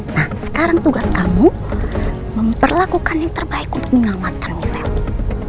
nah sekarang tugas kamu memperlakukan yang terbaik untuk menyelamatkan kesehatan